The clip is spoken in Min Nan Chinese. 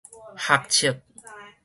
學測